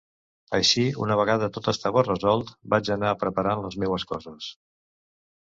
Així, una vegada tot estava resolt, vaig anar preparant les meues coses.